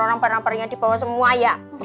orang paring paringnya dibawa semua ya